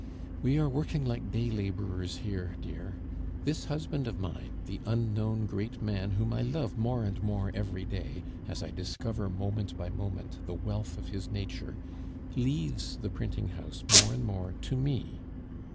We are working like day laborers here, dear. This husband of mine, the unknown great man whom I love more and more every day, as I discover moment by moment the wealth of his nature, leaves the printing house more and more to me.